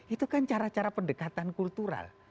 itu kan cara cara pendekatan kultural